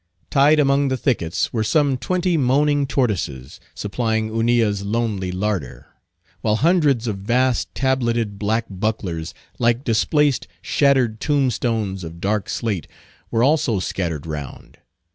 Tied among the thickets were some twenty moaning tortoises, supplying Hunilla's lonely larder; while hundreds of vast tableted black bucklers, like displaced, shattered tomb stones of dark slate, were also scattered round.